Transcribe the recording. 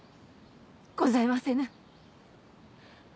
ございませぬ。